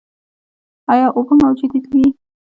ایا اوبه موجودې وې؟